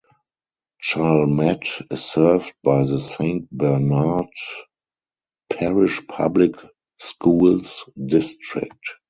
Chalmette is served by the Saint Bernard Parish Public Schools district.